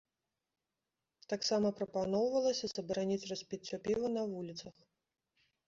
Таксама прапаноўвалася забараніць распіццё піва на вуліцах.